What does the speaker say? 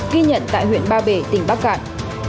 ghi nhận tại huyện ba bể tỉnh bắc cạn